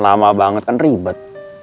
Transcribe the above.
lama banget kan ribet